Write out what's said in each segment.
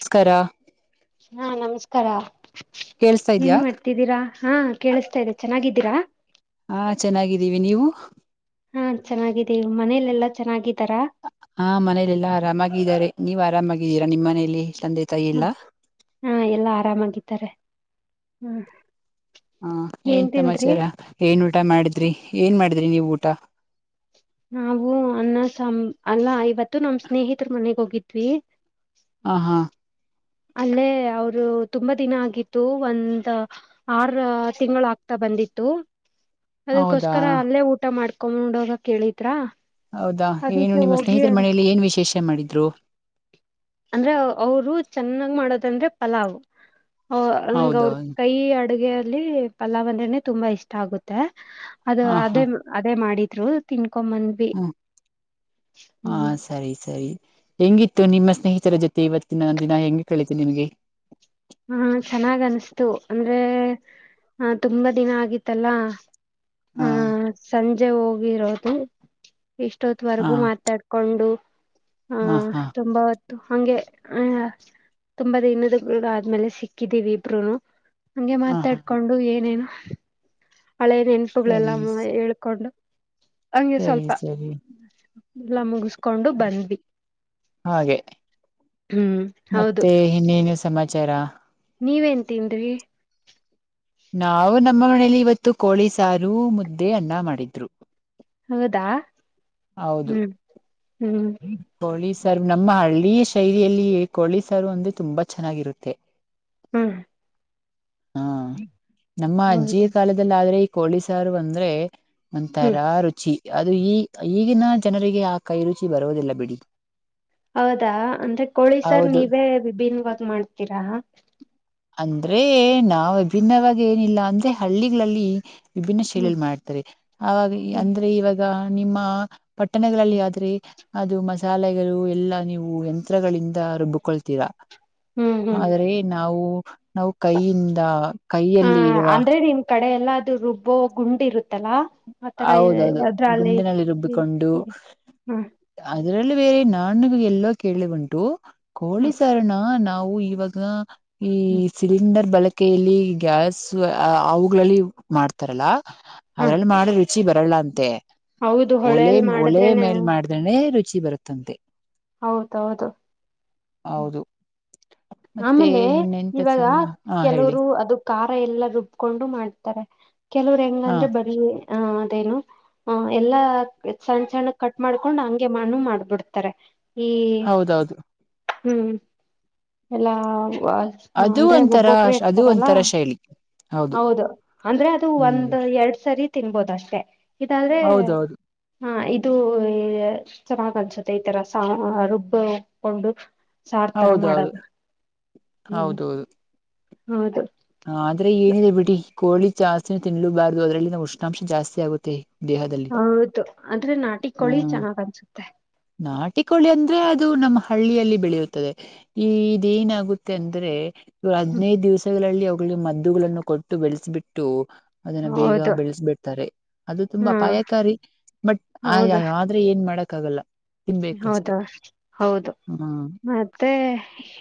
ನಮಸ್ಕಾರ ಹಾ ನಮಸ್ಕಾರ ಕೇಳ್ಸ್ತಾ ನ್ ಇದ್ಯಾ ಮಾಡ್ತಿದ್ದೀರಾ ಹಾ ಕೇಳಸ್ತಾ ಇದೆ ಚೆನ್ನಾಗಿದ್ದೀರಾ ಹಾ ಚೆನ್ನಾಗಿದ್ದೀವಿ ನೀವು ಹಾ ಚೆನ್ನಾಗಿದೆ ಮನೇಲೆೆಲ್ಲಾ ಚೆನ್ನಿದ ಹಾ ಮನೇಲೆಲ್ಲಾ ಆರಾಮಾಗಿದ್ದಾರೆ ನೀವು ಆರಾಮಾಗಿದ್ದೀರಾ ನಿಮ್ಮ ಮನೇಲಿ ತಂದೆ ತಾಯಿ ಹ್ಮ ಎಲ್ಲ ಹಾ ಎಲ್ಲಾ ಆರಾಮಾಗಿದ್ದಾರೆ ಹ್ಮ್ ಹಾ ಏನ್ ಸಮಮಾಚಾರ ಏನ್ ಊಟ ಮಾಡಿದ ್ರಿ ಏನ್ ಮಾಡಿದ್ರಿ ನೀವು್ ಊಟ ನಾವು ಅನ್ನಸ ಅಲ್ಲ ಇವತ್ತು ನಮ ಸ್ನೇಹಿತರ ಮನೆಗ್ ಹೋಗಿದ್ವಿ ಹ ಹಾ ಅಲ್ಲೇ ಅವರು ತುಂಬಾ ದಿನ ಆಗಿತ್ತು ಒಂದ ಆರು ತಿಂಗಳು ಆಗ್ತಾ ಬಂದಿತ್ತು ಹೌದಾ ಅದಕ್ಕೋಸ್ಕರ ಅಲ್ಲೇ ಊಟ ಮಾಡ್ಕ ೊ್ ನೋಡ್ೋಗ ಕೇಳಿದ್ರಾ ಹೌದಾ ಏನು ನಿಮ್ಮ ಸ್ನೇಹಿತರ ಮನೆಯಲ್ಲಿ ಏನ್ ವಿಶೇಷ ಮಾಡಿದ್ರು ಅಂದ್ರೆ ಅವರು ಚೆನ್ನಾಗ್ ಮಾಡೋದಂದ್ರೆ ಪಲಾವ್ ಅವ ನಂಗಗೆ ಹೌದಾ ಅವ್ರ ಕೈ ಆ ಅಡುಗೆಯಲ್ಲಿ ಪಲಾವಂದನೇ ತುಂಬಾ ಇಷ್ಟ ಆಗುತ್ತೆ ಅದು ಹ ಅದೇ ಹಾ ಅದೇ ಮಾಡಿ ತಿ ಕಮನ್ವಿ ಹ್ಮ ಹಾ ಹ್ಮ್ ಸರಿ ಸರಿ ಹೆಂಗಿತ್ತು ನಿಮ್ಮ ಸ್ನೇಹಿತರ ಜೊತೆ ಇವತ್ತಿನ ದಿನ ಹೆಂಗಿ ಕಳಿತ ನಿಮ್ಗೆ ಹಾ ಚೆನ್ನಾಗ್ ಅನ್ಿಸತು ಅಂದ್ರೆ ಆ ತುಂಬಾ ದಿನ ಆಗಿತ್ತಲ್ಲಾ ಹಾ ಹ್ಮ ಸಂಜೆ ಮಜೆ ಹೋಗಿರೋದು ಹಾ ಇಷ್ಟೊತ್ವರೆಗೂ ಮಾತಾಡ್ಕೊಂಡು ಹಾ ತುಂಬಾ ಹಂಗೆ ಆ ತುಂಬಾ ದಿನದ ಆದ್ಮೇಲೆ ಸಿಕ್ಕಿದ್ದೀವಿ ಇಬ್ರನು ನಂಗೆ ಹಾ ಹಾ ಮಾತಾಡ್ಕೊಂಡು ಏನೇನು ಹಳೆಯ ನೆನಪುಗಳೆಲ್ಲ ಸರಿ ಹೇಳ್ಕೊಂಡು ಹಂಗೆ ಸರಿ ಸ್ವಲ್ಪ ಸರಿ ಇಲ್ಲ ಮುಗಸ್ ಹಾಗೆ ಹ್ಮ್ ಹೌದು ಮತ್ತೆ ಇನ್ನೇನು ಸಮಾಜ ಚರ ನೀವನ್ ತಿಂದ್ರಿ ನಾವು ನಮ್ಮ ಮನೇಲಿ ಇವತ್ತು ಕೋಳೀಸಾರು ಮುದ್ದೆ ಅನ್ನ ಮಾಡಿದ್ರು ಹೌದಾ ಹೌದು ಹ್ಮ್ ಹ್ಮ್ ಸರ್ ನಮ್ಮ ಹಳ್ಳಿಯ ಶೈಲಿಯಲ್ಲಿ ಕೋಳಿ ಸಾರು ಅಂದ್ರೆ ತುಂಬಾ ಚೆನ್ನಾಗಿರುತ್ತೆ ಹ್ಮ್ ಹಾ ನಮ್ಮ ಅಜ್ಜಿಯ ಹೌದಾ ಕಾಲದಲ್ಲಿಲ್ಲ ಆದ್ರೆ ಈ ಪೊಲೀಸಾರ ಅಂದ್ರೆ ಹ್ಮ್ ಒಂತರ ರುಚಿ ಅದು ಈ ಈಗಿನ ಜನರಿಗೆ ಆ ಕೈ ರುಚಿ ಬರುವುದಿಲ್ಲ ಬಿಡಿ ಹೌದಾ ಅಂದ್ರೆ ಕೋಳಿ ಸರ್ ಹೌದು ನೀವೇ ವಿಭಿನ್ನವಾಗಿ ಮಾಡ್ತೀರಾ ಅಂದ್ರೆ ನಾವ ವಿಭಿನ್ನವಾಗಿ ಏನಿಲ್ಲ ಅಂದ್ರೆ ಹಳ್ಳಿಗಳಲ್ಲಿ ವಿಭಿನ್ನ ಹ್ಮ್ ಶೈಲಲಿ ಮಾಡ್ತಾರೆ ಆಾಗ ಹ್ಮ್ ಅಂದ್ರೆ ಇವಾಗ ನಿಮ್ಮ ಪಟ್ಟಣಗಳಲ್ಲಿ ಹ್ಮ್ ಆದ್ರೆ ಅದು ಮಸಾಲೆಗಳು ಎಲ್ಲಾ ನೀವು ಯಂತ್ರಗಳಿಂದ ರುಬ್ಕೊಳ್ತೀರಾ ಹ್ಮ್ ಹ್ಮ್ ಆದ್ರೆ ನಾವು ನಾವು ಕೈಯಿಂದ ಹ ಕೈಯಲ್ಲಿ ಇರುವ ಅಂದ್ರೆ ನಿಮ್ ಕಡೆ ಎಲ್ಲಾ ಅದು ರುಬ್ಬೋ ಗುಂಡ್ ಇರುತ್ತಲ್ಲಾ ಆತರ ಹೌದೌದು ಅದ್ರಲ್ಲಿ ಗುಂಡಿನಲ್ಲಿ ರುಬ್ಬಿಕೊಂಡು ಹ್ಮ್ ಹ್ಮ್ ಅದರಲ್ಲಿ ಬೇರೆ ನಾನ ಎಲ್ಲೋ ಕೇಳಿ ಉಂಟು ಕೋಳಿ ಸಾರಣ ನಾ ನಾವು ಇವಾಗ ಈ ಹ್ಮ್ ಸಿಲಿಂಡರ್ ಬಳಕೆ ಕಲ್ಲಿ ಗ್ಯಾಸ್ ಅವುಗಳಲ್ಲಿ ಮಾಡ್ತಾರಲ್ಲ ಹ್ಮ್ ಅದ್ರಲ್ಲಿ ಮಾಡದ ಹಚ್ಚಿ ಬರಲ್ಲ ಅಂತೆ ಹೌದು ಒಲೆ ಹೊಳೆಲ್ ಒಲೆ ಮಾಡಿದ್ರೇನೆ ಮೇಲ್ ಮಾಡ್ದಣೆ ರುಚ ಮುಚ್ಚಿ ಬರುತ್ತಂತೆ ಹೌದೌದು ಹ್ಮ ಹೌದು ಮತ್ತೆ ಆಮೇಲೆ ಇನ್ನೆಂತ ಇವಾಗ ಸಮ್ಮ ಹಾ ಹೇಳಿ ಕೆಲವರು ಅದು ಖಾರ ಎಲ್ಲಾ ರುಬ್ಕೊಂಡು ಮಾಡ್ತಾರೆ ಕೆಲವರು ಹಾ ಹೆಂಗಂದ್ರೆ ಬರ ಹ ಅದೇನು ಹ ಎಲ್ಲಾ ಸಣ್ ಸಣ್ಣ ಕಟ್ ಮಾಡ್ಕೊಂಡ್ ಹಂಗೆ ಮಾನು ಮಾಡ್ಬಿಡ್ತಾರೆ ಈ ಹೌದೌದು ಹ್ಮ್ ಎಲ್ಲಾ ಅದುೂ ಅಂದ್ರೆ ಒಂಥರ ಒಬ್ಬೊಬ್ರ ಅದು ಇರ್ತಾರಲ್ಲ ಒಂಥರ ಶೈಲಿ ಹೌದು ಅಂದ್ರೆ ಅದು ಹ್ಮ್ ಒಂದ್ ಎರಡ್ ಸರಿ ತಿನ್ಬೋದ ಅಷ್ಟೇ ಇದಲ್ಲ್ರೆ ಹೌದೌದು ಹಾ ಇದು ಚೆನ್ನಾಗ್ ಅನ್ಸುತ್ತೆ ಈ ತರ ರುಬ್ಬಕೊಂಡು ಸಾರ್ ತರ ಹೌದೌದು ಮಾಡದು ಹೌದೌದು ಹೌದು ಹ ಆದ್ರೆ ಏನಿದೆ ಬಿಡಿ ಕೋಳಿ ಜಾಸ್ತಿನ ತಿನ್ಲಬಾರ್ದು ಅದ್ರಲ್ಲಿಂದ ಉಷ್ಣಾಂಶ ಜಾಸ್ತಿ ಆಗುತ್ತೆ ದೇಹದಲ್ಲಿ ಹೌದು ಅಂದ್ರೆ ನಾಟಿಳಿ ಚೆನ್ನಾಗ್ ಅನ್ಸುತ್ತೆ ಚಕ್ಕೋಳಿ ಅಂದ್ರೆ ಅದು ನಮ್ಮ ಹಳ್ಳಿಯಲ್ಲಿ ಬೆಳೆಯುತ್ತದೆ ಈ ಇದೇನಾಗುತ್ತೆ ಅಂದ್ರೆ ಇ ಹ್ಮ್ ಹದ್ದು ದಿವಸಗಳಲ್ಲಿ ಅವ ಮದ್ದುಗಳನ್ನು ಕೊಟ್ಟು ಬೆಳೆಸಿಬಿಟ್ಟು ಅದನ್ನ ಬೇಗ ಹೌದು ಬೆಳೆಸ್ಬಿಡ್ತಾರೆ ಅದು ತುಂಬಾ ಹಾ ಅಪಾಯಕಾರಿ ಬಟ್ ಆ ಹೌದಾ ಆದ್ರೆ ಏನ್ ಮಾಡಕ್ ಕ್ಕಗಲ್ಲ ತಿನ್ಬೇಕುಷ್ಟೆ ಹೌದಾ ಹೌದು ಹ್ಮ್ ಮತ್ತೆ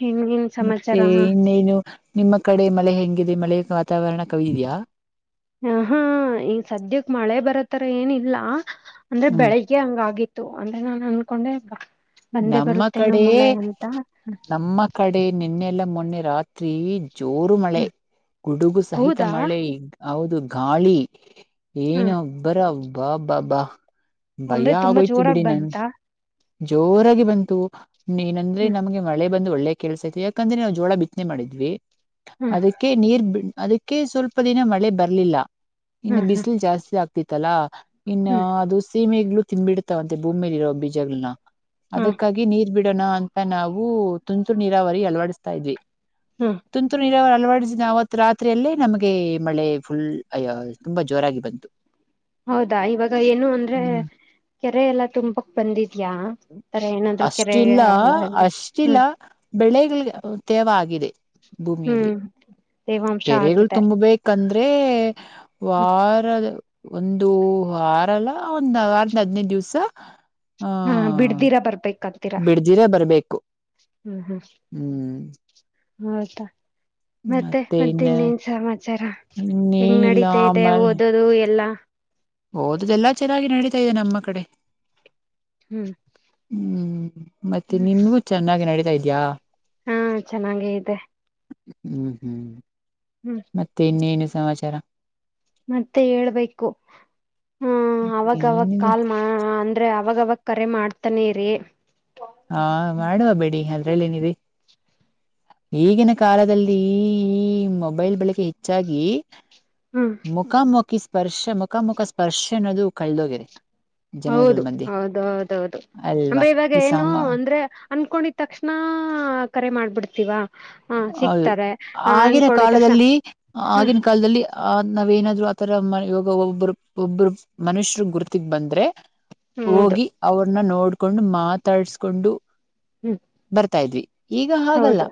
ಇನ್ನೇನ್ ಮತ್ತೆ ಸಮಾಚಾರ ಇನ್ನೇನು ನಿಮ್ಮ ಕಡೆ ಮಳೆ ಹಂಗಿದೆ ಮಳೆಯ ಕಾ ಹ ಹಾ ಈ ಸದ್ಯಕ್ ಮಳೆ ಬರತ್ತಾರ ಏನಿಲ್ಲ ಅಂದ್ರೆ ಹ್ಮ್ ಬೆಳಿಗ್ಗೆ ಹಂಗ ಆಗಿತ್ತು ಇತ್ತು ಅಂದ್ರೆ ನಾನ್ ಅನ್ಕೊಂಡೆ ಬಾ ನಮ್ಮ ಕಡೆ ನಮ್ಮ ಕಡೆ ನಿನ್ನೆಲ್ಲ ಮೊನ್ನೆ ರಾತ್ರಿ ಜೋರು ಮಳೆ ಹ್ಮ್ ಗುಡುಗು ಸಹಿತ ಹೌದಾ ಮಳೆ ಈ ಹೌದು ಗಾಳಿ ಏನು ಹ್ಮ್ ಒಬ್ಬರ ವಾ ವಾ ವಾ ಭಯ ಅಂದ್ರೆ ತುಂಬಾ ಆಗೋಯ್ತು ಜೋರಾಗಿ ಬಿಡಿ ನನ್ ಬಂತಾ ಜೋರಾಗಿ ಬಂತು ಹ್ಮ ಏನಂದ್ರೆ ಹ್ಮ್ ನಮಗೆಳೆ ಬಂದು ಒಳ್ಳೆ ಕೆಲ್ಸ್ವಿ ಯಾಕಂದ್ರೆ ನಾವು ಜೋಳ ಬಿತ್ನೆ ಮಾಡಿದ್ವಿ ಹ್ಮ್ ಅದಕ್ಕೆ ನೀರ್ ಬಿ ಅದಕ್ಕೆ ಸ್ವಲ್ಪ ದಿನ ಮಳೆ ಬರ್ಲಿಲ್ಲ ಇನ್ನು ಹ್ಮ್ ಹ್ಮ್ ಬಿಸಿಲು ಜಾಸ್ತಿ ಆಗ್ತಿತ್ತಲ್ಲಾ ಇನ್ನು ಹ್ಮ್ ಅದು ಸೀಮೆಗ್ ತಿಿಂದಬಿಡ್ತಾವಂತೆ ಭೂಮಿಯೇಲಿ ಇರ ಬೀಜಗಳನ ಹ್ಮ್ ಅದಕ್ಕಾಗಿ ನೀರ್ ಬಿಡ್ ಬಿಡೋಣ ಅಂತ ನಾವು ತುಂತುರು ನೀರಾವರಿ ಅಳವಡಿಸ್ತಾ ಇದ್ವಿ ಹ್ಮ್ ತಂತು ನೀರಾವರ ಲವಾಡಿನ ಅವವತ್ ರಾತ್ರಿಯಲ್ಲೇ ನಮಗೆ ಮಳೆ ಫುಲ್ ಅ ತುಂಬಾ ಜೋರಾಗಿ ಬಂತು ಹೌದಾ ಇವಾಗ ಏನು ಅಂದ್ರೆ ಹ್ಮ್. ಕೆರೆ ಎಲ್ಲಾ ತುಂಬಕ್ ಬಂದಿದ್ಯಾ ತರ ಏನಾದ್ರು ಕೆರೆ ಅಷ್ಟಲ್ಲ ಅಲ್ಲ ಎಲ್ಲ ಅಷ್ಟಲ್ಲ ಹ್ಮ್ ಬೆಳೆಗಳಿಗೆ ತೇವ ಆಗಿದೆ ಭೂಮಿಯಲ್ಲಿ ಹ್ಮ್ ತೇವಾಂಶ ಕೆರೆಗಳು ಆಗಿದೆ ತುಂಬಬೇಕಂದ ಹ ವಾರ ಒಂದು ಆಾರಲ್ಲ ಒಂದ ಆರ್ಂದ ಹದ್ನೈದು ದಿವ್ಸ ಹಾ ದರ ಬರ್ಬೇಕೆ ಬಿಡ್ದಿರ ಬರ್ಬೇಕು ಹ್ಮ್ ಹ್ಮ್ ಹ್ಮ್ ಹೌದಾ ಮತ್ತೆ ಮತ್ತೆ ಇನ್ನೇನ್ ಸಮಾಚಾರ ಹೆಂಗ್ ಇನ್ನೇನಿಲ್ಲ ನಡತಾ ಇದೆ ಓದೋದು ಎಲ್ಲಾ ಹಓದದೆಲ್ಲ ಚೆನ್ನಾಗಿ ನಡೀ ಇದೆ ನಮ್ಮ ಕಡೆ ಹ್ಮ ಹ್ಮಞ ಮತ್ತೆ ನಿಮಗೂ ಚೆನ್ನಾಗಿ ನಡೀತಾ ಇದ ಯಾ ಹಾ ಚೆನ್ನಾಗ ಇದೆ ಹ್ಮ್ ಹ್ಮ್ ಹ್ಮ್ ಮತ್ತೆ ಇನ್ನೇನು ಸಮಾಚಾರ ಮತ್ತೆ ಹೇಳ್ಬೇಕು ಹ ಅವಾಗವಾಗ ಏನಿದೆ ಕಾಲ್ ಅಂದ್ರೆ ಅವಾಗವಾಗ ಕರೆ ಮಾಡ್ತಾನೆರಿೀ ಹಾ ಮಾಡುವ ಬಿೇಡಿ ಅದ್ರಲ್ಲಿ ಏನಿದೆ ಈಗಿನ ಕಾಲದಲ್ಲಿ ಈ ಈ ಮೊಬೈಲ್ ಬಳಕೆ ಹೆಚ್ಚಾಗಿ ಹ್ಮ್ ಮುಕಾಮಕಿಸ ಸ್ಪರ್ಶ ಮುಖ ಮುುಖ ಸ್ಪರ್ಶ ಅನ್ನೋದು ಕಳದೋಗಿರಿ ಹೌದು ಹೌದು ಹೌದೌದು ಅಲ್ವಾ ಅೆ ಇವಾಗ ಈ ಏನು ಸಾಮ ಅಂದ್ರೆ ಅನ್ಕೊಂಡಿದ ತಕ್ಷಣ ಕರೆ ಮಾಡ್ಬಿಡ್ತೀವಾ ಹ ಹೌದು ಸಿಗ್ತಾರೆ ಹ ಆಗಿನ ಅನ್ಕೊಂಡಿದ ತಕ್ಷಣ ಕಾಲದಲ್ಲಿ ಹ್ಮ್ ಆಗಿನ ಕಾಲದಲ್ಲಿ ಆ ನಾವೇನಾದ್ರು ತರ ಮ ಇವಾಗ ಒಬ್ಬರು ಒಬ್ಬರು ಮನುಷ್ಯರು ಗುರ್ತಿಗ್ ಬಂದ್ರೆ ಹೌದು ಹೋಗಿ ಅವ್ರನ್ನ ನೋಡ್ ಕೊಂಡು ಮಾತಾಡ್ಸ್ಕೊಂಡು ಹ್ಮ್ ಬರ್ತಾ ಇದ್ವಿ ಈಗ ಹಾಗಲ್ಲ ಹೌದು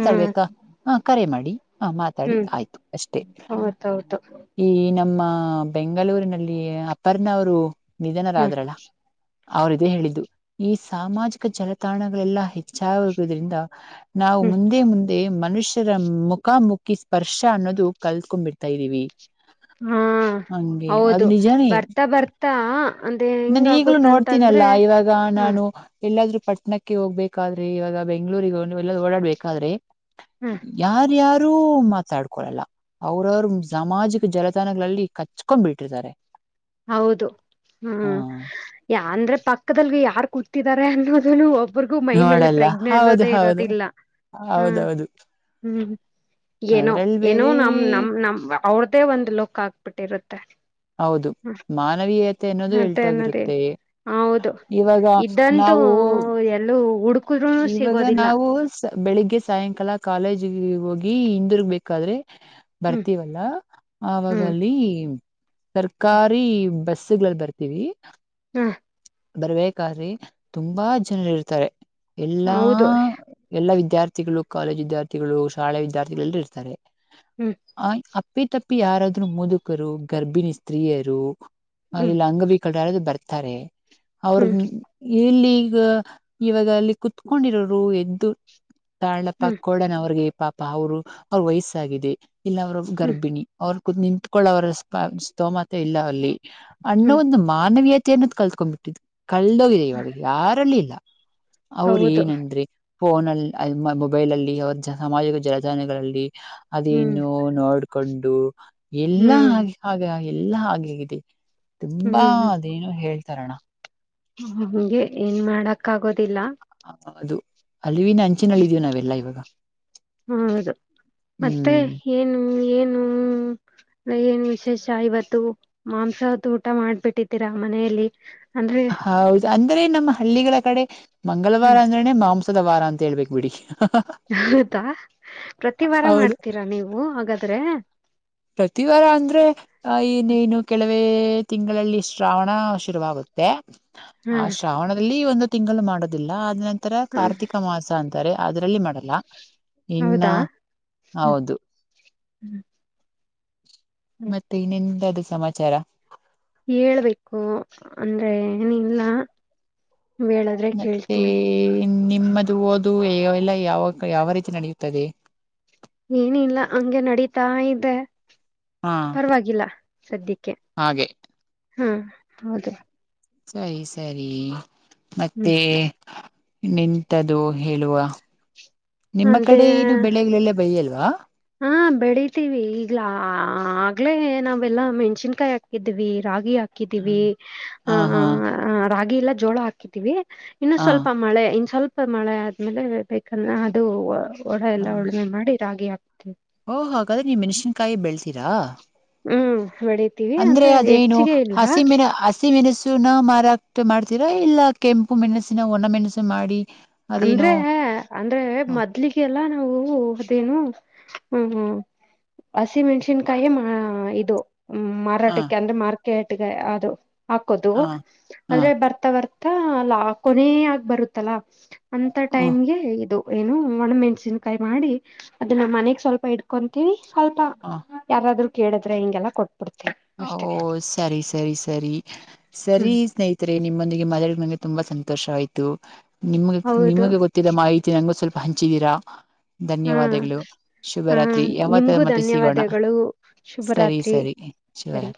ಹ್ಮ್ ಹ ಕರಿ ಮಾಡಿ ಹ ಮಾತಾಡಿ ಹ್ಮ್ ಆಯ್ತು ಅಷ್ಟೇ ಹೌದೌದು ಈ ನಮ್ಮ ಹ ಬೆಂಗಳೂರಿನಲ್ಲಿ ಅಪರ್ನವರು ಹ್ಮ್ ನಿಜನಾರ್ರಲ್ಲ ಅವ್ರ ಇದೇ ಹೇಳಿದ್ದು ಈ ಸಾಮಾಜಿಕ ಜಲತಾಣಗಳೆಲ್ಲಾ ಹೆಚ್ಚಾಗಿರುದ್ರಿಂದ ನಾವು ಹ್ಮ್ ಮುಂದೆ ಮನುಷ್ಯರ ಮುಖಾಮುಖಿ ಸ್ಪರ್ಶ ಅನ್ನೋದು ಕಲ್ತ್ಕೊಂಡ್ ಬಿಿಡ್ತಾ ಇದ್ದೀವಿ ಹಾ ಹೌದು ಬರ್ತಾ ಬರ್ತ ತ ನಾನ ಈಗ್ಲೂ ನೋಡ್ತೀನಲ್ಲ ಇವಾಗ ಹಾ ನಾನು ಎಲ್ಲಾದ್ೂ ಪಟ್ಟಣಕ್ಕೆ ಹೋಗ್ಬೇಕಾದ್ರೆ ಇವಾಗ ಬೆಂಗ್ಗಳೂರಿಗೆ ಎಲ್ಲ ಓಡಾಡ್ಬೇಕಾದ್ರೆ ಹಾ ಯಾರ ಯಾರು ಅವರು ಮಾತಾಡ್ಕೊಳಲ್ಲ ಅವ್ರವರು ಸಾಮಾಜಿಕ ಜಲತಾಣಗಳಲ್ಲಿ ಕಚ್ಕೊಂಡ್ ಬಿಟ್ಟಿರ್ತಾರೆ ಹೌದು ಹ್ಮ್ ಯ ಅಂದ್ರೆ ಪಕ್ಕಲ್ ಯಾರ್ ಕೂ ಿದ್ದಾರೆ ಅನ್ನೋದನ್ನು ಒಬ್ಬ ಒಬ್ರರಿಗೂ ಮೈ ಮೇಲೆ ನೋಡಲ್ಲ. ಪ್ರೆಗ್್ನೆ ಹೌದು, ಅನ್ನೋದೇ ಹೌದು. ಇರೋದಿಲ್ಲ ಹ್ಮ್ ಹೌದೌದು. ಹ್ಮ್ ಏನೋ ಅದ್ರಲ್ ಏನೋ ಬೇರೆ ನಮ ನಮ ನಮ ಅವ್ರ್ದೇ ಒಂದು್ ಲೋಕ ಆಾಕ್ಬಿಟ್ಟಿರುತ್ತೆ ಹೌದು ಮಾನವೀಯತೆ ಅನ್ನೋದು ಮತ್ತೆ ಅನ್ನೋದೇನ್ ಹೇಳ್ತೋಗಿರುತ್ತೆ ಹೌದು ಒಡು ಇವಾಗ ನಾವು ಬೆಳಿಗ್ಗೆ ಸಾಯಂಕಾಲ ಕಾಲೇಜ್ ಹೋಗಿ ಇಂದಿರ್ಗ್ ಬೇಕಾದ್ರೆ ಹ್ಮ್ ಬರ್ತೀವಲ್ಲ ಹ್ಮ್ ಆವಾಗಲ್ಲಿ ಸರ್ಕಾರಿ ಬಸ್ ಸಿಗ್ಲಲ್ ಬರ್ತೀವಿ ಹ ಬರ್ಬೇಕಾದ್ರಿ ತುಂಬಾ ಜನರಿ ಇರ್ತಾರೆ ಎಲ್ಲಾ ಹೌದು ಎಲ್ಲಾ ವಿದ್ಯಾ ವಿದ್ಯಾರ್ಥಿಗಳು ಕಾಲೇಜ್ ವಿದ್ಯಾರ್ಥಿಗಳು ಶಾಲೆ ವಿದ್ಯಾರ್ಥಿಗಳಲ್ಲ ಇರ್ತಾರೆ ಹ್ಮ್ ಆ ಅಪ್ಪಿ ತಪ್ಪಿ ಯಾರಾದ್ರೂ ಮುದುಕರು ಗರ್ಭಿಣಿ ಸ್ತ್ರೀಯರು ಹ ಹ್ಮ್ ಇಲ್ಲ ಅಂಗ ಬ ಕ ಕಡೆದು ಬರ್ತಾರೆ ಅವ್ರ ಹ್ಮ್ ಇಲ್ಲಿ ಈಗ ಇವಾಗ ಅ ಕುೂತ್ಕೊಂಡಿರೋರು ಎದ್ದು ಹ್ಮ್ ತಾಳ್ಳಪ್ಪಾಕ್ಕೋಡಣ ಅವ್ರಿಗೆ ಪಾಪ ಅವರು ಅವ್ರ ವಯಸ್ಸಾಗಿದೆ ಇಲ್ಲ ಅವ್ರ ಹ್ಮ್ ಗರ್ಭಿಣಿ ಅವರು ನಿಂತ್ಕೊಳ್ಳವರ ಸ್ ಸ್ತೋಮತೆ ಇಲ್ಲ ಅಲ್ಲಿ ಅನ್ನೊ ಹ್ಮ್ ಒಂದು ಮಾನವೀಯ ಅನ್ನದ ಕಲ್ತ್ಕ್ ಬಿಿಟ್ಟಿದ್ದು ಕಳದೋಗಿದೆ ಇವಾಗ ಯಾರಲ್ಲಿ ಇಲ್ಲ ಅವ್ರ ಹೌದು ಏನನ್ರಿ ಫೋನ್ಲ್ ಮೊಬೈಲ್ಲ್ಲಿ ಅವ ಸಾಮಾಜಿಕ ಜಲತಾಣಗಳಲ್ಲಿ ಹ್ಮ್ ಅದೇನ್ನು ನೋಡ್ ಕಂಡು ಎಲ್ಲ ಹ್ಮ್ ಹಾಗೆ ಹಾಗೆ ಹಾಗೆ ಎಲ್ಲಾ ಹಾಗೆಗಿದೆ ತುಂಬಾ ಅದೇನು ಹೇಳಿ ತರರಣ ಹಗೆ ಏನ್ ಮಾಡಕ್ ಆಗೋದಿಲ್ಲ ಹೌದು ಅಲ್ಲಿವಿನ ಅಂಚಿನಲ್ಲಿಿದೀವಿ ನಾವೆಲ್ಲ ಇವಾಗ ಹೌದು ಹ್ಮ್ ಹೂಂ ಏನ್ ವಿಶೇಷ ಇವತ್ತು ಮಾಂಸಹತ್ ಊಟ ಮಾಡ್ಬಿಟ್ಟಿದ್ದೀರಾ ಮನೆಯಲ್ಲಿ ಅಂದ್ರೆ ಹೌದು ಅ ್ರರೆ ನಮ್ಮ ಹಳ್ಳಿಗಳ ಕಡೆ ಮಂಗಳವಾರ ಹ್ಮ ಅಂದ್ರೇನೆ ಮಾಂಸ ದ ವಾರ ಅಂತೇಳ್ಬೇಕು ಬಿಡಿ ಹೌದಾ ಪ್ರತಿ ವಾರ ಹೌದು ಮಾಡ್ತೀರಾ ನೀವು ಹಾಗಾದ್ ದ್ರೇ ಪ್ರತಿ ವಾರ ಅಂದ್ರೆ ಇನ್ನೇನು ಕೆಲ ವೇ ತಿಂಗಳಲ್ಲಿ ಶ್ರಾವಣ ಶುರುವಾಗುತ್ತೆ ಹಾ ಆ ಶ್ರಾವಣದಲ್ಲಿ ಒಂದು ತಿಂಗಳು ಮಾಡೋದಿಲ್ಲ ಆದ್ರೇ ಅತ್ರ ಹಾ ಕಾರ್ತಿಕ ಮಾಸಂತ್ ತಾರೆ ಅದರಲ್ಲಿ ಮಾಡ್ ಲ್ಲ ಇನ್ನ ಹೌದಾ ಹ್ಮ್ ಹೌದು ಹ್ಮ್ ಹ್ಮ್ ಮತ್ತೆ ಇನ್ನೆಂದಾದು ಸಮಾಚಾರ ಹೇಳ್ಬೇಕು ಅಂದ್ರೆ ಏನಿಲ್ಲ ಹೇಳದ್ರೆ ಮತ್ತೆ ಕೇಳ್ತೀವಿ ನಿಮ್ಮದು ಓದು ಎಲ್ಲ ಯಾವ ಯಾವ ರೀತಿ ನಡೆಯುತ್ತದೆ ಏನಿಲ್ಲ ಹಂಗೆ ನಡೀತಾ ಇದೆ ಹಾ ಪರವಾಗಿಲ್ಲ ಸದ್ಯಕ್ಕೆ ಹಾಗೆ ಹಾ ಹೌದು ಸರಿ ಸರಿ ಹ್ಮ್ ಮತ್ತೆ ನಿಂತದು ಹೇಳುವ ನಿಮ್ಮ ಅಂದೆ ಕಡೆ ಏನು ಬೆಳೆಗಳೆಲ್ಲ ಬೆಳಿಯಲ್ವಾ ಹಾ ಬೆಳಿತೀವಿ ಈಗ್ಲಾ ಆಗ್ಲೇ ನಾವೆಲ್ಲಾ ಮೆಣ್ಸಿನ್ಕಾಯಿ ಹಾಕಿದ್ವಿ ರಾಗಿ ಹಾಕ್ ಕಿದೀವಿ ಹ ಆ ಹಾ ರಾ ಎಲ್ಲ ಜೋಳ ಹಾಕಿದೀವಿ ಇನ್ನು ಸ್ವಲ್ಪ ಮಳೆ ಇನ್ನ್ ಸ್ವಲ್ಪ್ ಮಳೆ ಆದ್ಮೇಲೆ ಬೇಕಂದ್ರೆ ಅದು ಓಡ ಎಲ್ಲ ಉಳುಮೆ ಮಾಡಿ ರಾಗಿ ಹಾಕ್ ಓಹ್ ಹಾಗಾದ್ರೆ ನೀವ್ ಮೆಣಸಿನಕಾಯಿ ಬೆಳ್ತಿ ಹ್ಮ್ ಬೆಳಿತೀವಿ ಅಂದ್ರೆ ಅದೇನು ಹೆಚ್ಚಿಗೆ ಇಲ್ಲ ಹಸಿಮಿನ ಸಿಮೆಣಸುನ ಮಾರಾಕ್ಟ್ ಮಾಡ್ತೀರ ಇಲ್ಲ ಕೆಂಪು ಉಪ್ಪು ಮೆಣಸಿನ ಒಣ ಮೆಣಸು ಮಾಡಿ ಅದೇನೋ ಹ ಎಲ್ಲ ನಾವು ಅದೇನು ಹ್ಮ ಹಸಿಮೆಣಸಿನ್ಕಾಯಿ ಇದು ಹ್ಮ ಹ ಮಾರಾಟಕ್ಕೆ ಅಂದ್ರೆ ಮ ಕೇಟಗ ಅದು ಹಾಕೋದು ಹ ಹ ಆದ್ರೆ ಬರ್ತಾ ಬರ್ ಹ ಲಾ ಕೊನೆ ಆಗ್ ಬರುತ್ತಲಾ ಅಂತ ಓ ಟೈಮ್ಗೆ ಇದು ಏನು ಒಣ ಮೆಣ್ಸಿನ್ಕಾಯಿ ಮಾಡಿ ಅದನ್ನ ಮನೆಗ್ ಸ್ವಲ್ಪ ಇಡ್ಕೊಂತೀಿ ಸ್ವಲ್ಪ ಹ ಯಾರಾದ್ರೂ ಕೇಳಿದ್ರೆ ಹಿಂಗೆಲ್ಲ ಕೊಟ್ಟ ಓ ಸರಿ ಸರಿ ಸರಿ ಸರಿ ಹ್ಮ್ ಸ್ನೇಹಿತರೆ ನಿಮ್ಮೊಂದಿಗೆ ಮದಳ ನಂಗೆ ತುಂಬಾ ಸಂತೋಷ ಆಯ್ತು ನಿಮ್ಗೆ ಹೌದು ನಿಮಗೆ ಗೊತ್ತಿದ್ದ ಮಾಹಿತಿ ನಂು ಹಂಚಿದೀರಾ ಹಾ ಧನ್ಯವಾದಗಳು ಹಾ ಶುಭರಾತ್ರಿ ಯಾವತರ ನಿಮ್ಗೂ ಮತ್ತೆ ಸಿಗೋಣ ಧನ್ಯವಾದಗಳು ಸರಿ ಸರಿ ಶಿವರಾತ್ರಿ. ಹರಿ [inaudible]